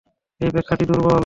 এ ব্যাখ্যাটি দুর্বল।